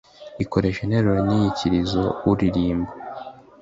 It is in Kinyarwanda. ikoresha intero n'inyikirizoururirimbo